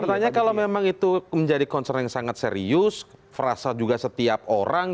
sebenarnya kalau memang itu menjadi concern yang sangat serius frasa juga setiap orang